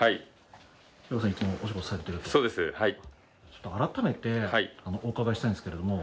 ちょっと改めてお伺いしたいんですけれども。